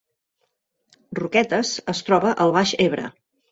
Roquetes es troba al Baix Ebre